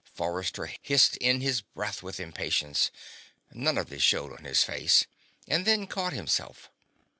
Forrester hissed in his breath with impatience none of which showed on his face and then caught himself.